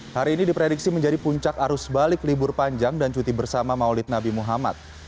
hari ini diprediksi menjadi puncak arus balik libur panjang dan cuti bersama maulid nabi muhammad